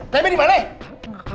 tb dimana ya